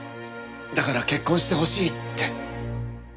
だから結婚してほしいって。